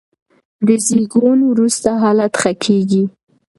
د زېږون وروسته حالت ښه کېږي.